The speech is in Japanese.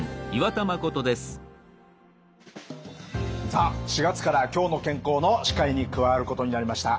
さあ４月から「きょうの健康」の司会に加わることになりました